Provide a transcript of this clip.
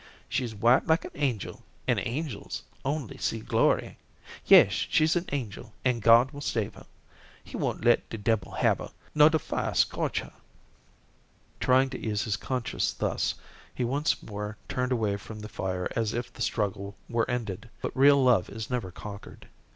She's white like an angel, an' angels only see glory. Yes, she's an angel, an' God will save her. He won't let de debbil hab her nor de fire scorch her." Trying to ease his conscience thus, he once more turned away from the fire as if the struggle were ended, but real love is never conquered.